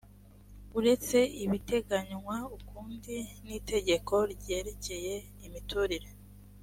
uretse ibiteganywa ukundi n itegeko ryerekeye imiturire